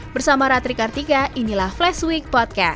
bersama ratri kartika inilah flash week podcast